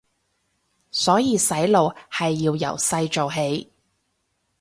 所以洗腦係要由細做起